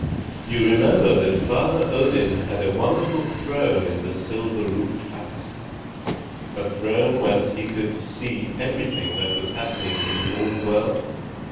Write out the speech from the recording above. You remember that Father Odin had a wonderful throne in the silver roofed house, a throne whence he could see everything that was happening in all the world?